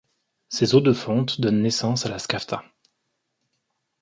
Ses eaux de fonte donnent naissance à la Skaftá.